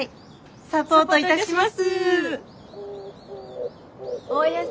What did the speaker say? サポートいたします。